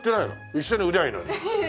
一緒に売りゃいいのに。